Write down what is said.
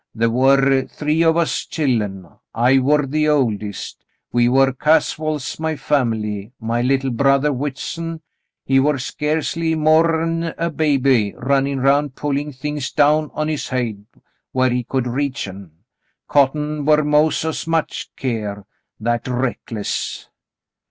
The' war three o' us chillen. I war the oldest.* We war Caswells, my fam'ly. My little brothah ^Vhitson, he war sca'cely more'n a baby, runnin' 'round pullin' things down on his hade whar he could reach, an' Cotton war mos' as much keer — that reckless."